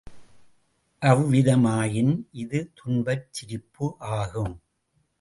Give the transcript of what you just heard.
அவ்விதமாயின், இது துன்பச் சிரிப்பு ஆகும்.